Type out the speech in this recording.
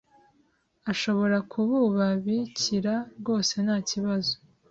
ashobora kububabkira rwose ntakibazo